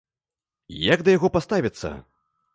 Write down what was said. Як да яго паставяцца?